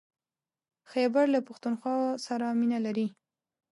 خيبر له پښتونخوا سره مينه لري.